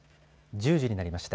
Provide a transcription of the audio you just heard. １０時になりました。